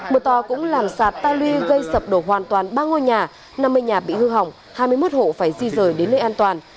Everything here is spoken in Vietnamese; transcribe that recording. mưa to cũng làm sạt ta luy gây sập đổ hoàn toàn ba ngôi nhà năm mươi nhà bị hư hỏng hai mươi một hộ phải di rời đến nơi an toàn